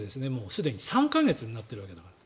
すでに３か月になっているわけだから。